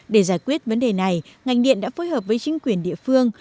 để giải quyết vấn đề này ngành điện đã phối hợp với chính quyền địa phương